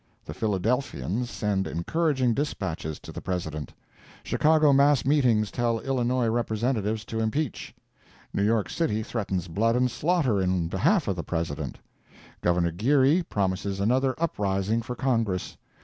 The Philadelphians send encouraging dispatches to the President. Chicago mass meetings tell Illinois Representatives to impeach. New York city threatens blood and slaughter in behalf of the President. Gov. Geary promises another uprising for Congress.